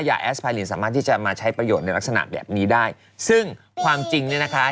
แอสพายลินสามารถที่จะมาใช้ประโยชน์ในลักษณะแบบนี้ได้ซึ่งความจริงเนี่ยนะคะ